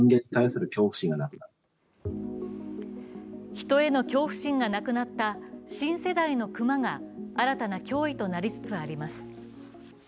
人への恐怖心がなくなった新世代の熊が新たな脅威となりつつあります。